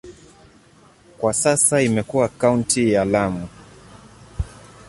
Kwa sasa imekuwa kaunti ya Lamu.